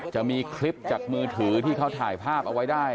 จะมีคลิปจากมือถือที่เขาถ่ายภาพเอาไว้ได้